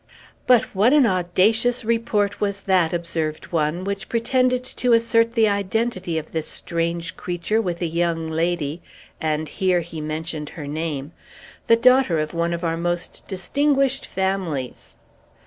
"But what an audacious report was that," observed one, "which pretended to assert the identity of this strange creature with a young lady," and here he mentioned her name, "the daughter of one of our most distinguished families!"